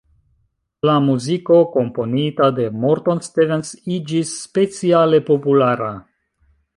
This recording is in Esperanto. La muziko komponita de Morton Stevens iĝis speciale populara.